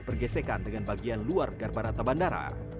bergesekan dengan bagian luar garbarata bandara